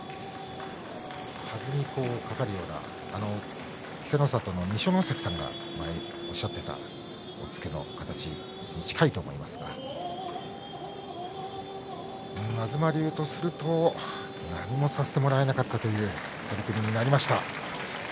はずにかかるような稀勢の里の二所ノ関さんがおっしゃっていた押っつけの形に近いと思いますが東龍とすると何もさせてもらえなかったという取組になりました。